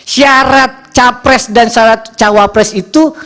syarat capres dan syarat cawapres itu